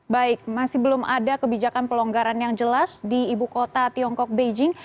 baik masih belum ada kebijakan pelonggaran yang jelas di ibu kota tiongkok beijing